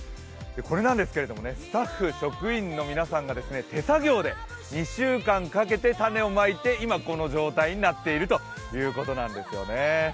これなんですけれども、スタッフ、職員の皆さんが手作業で、２週間かけて種をまいて今、この状態になっているということなんですよね。